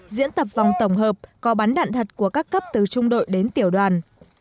diễn tập vòng tổng hợp có bắn đạn thật của các cấp từ trung đội đến tiểu đoàn